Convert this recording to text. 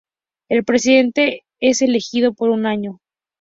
El Presidente es elegido por un año.